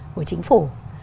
của chính phủ